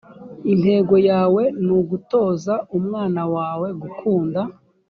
intego yawe ni ugutoza umwana wawe gukunda